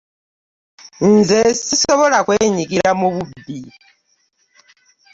Nze sisobola kwenyigira mu bubbi.